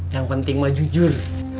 yang penting mah jujur